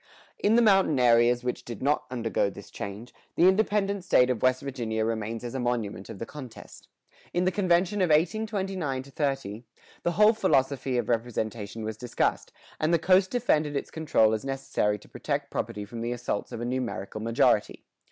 In the mountain areas which did not undergo this change, the independent state of West Virginia remains as a monument of the contest. In the convention of 1829 30, the whole philosophy of representation was discussed, and the coast defended its control as necessary to protect property from the assaults of a numerical majority.